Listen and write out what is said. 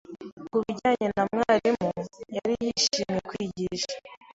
Ku bijyanye na mwarimu, yari yishimiye kwigisha.